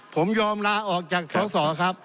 ผมยอมลาออกจากสอสอครับ